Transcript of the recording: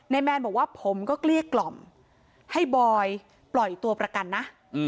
แมนบอกว่าผมก็เกลี้ยกล่อมให้บอยปล่อยตัวประกันนะ